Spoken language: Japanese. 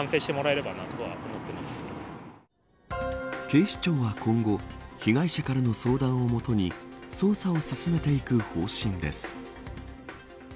警視庁は今後被害者からの相談を基に捜査を進めていく方針です。